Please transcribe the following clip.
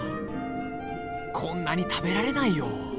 こんなに食べられないよ。